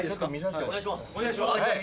お願いします！